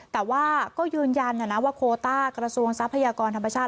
แต่ว่าก็ยืนยันว่าโคต้ากระทรวงทรัพยากรธรรมชาติ